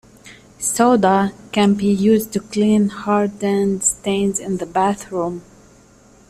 Soda can be used to clean hardened stains in the bathroom.